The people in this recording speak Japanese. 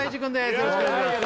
よろしくお願いします